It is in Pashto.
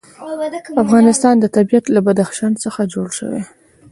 د افغانستان طبیعت له بدخشان څخه جوړ شوی دی.